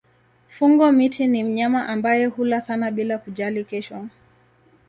Fungo-miti ni mnyama ambaye hula sana bila kujali kesho.